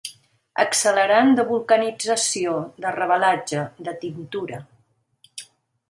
Accelerant de vulcanització, de revelatge, de tintura.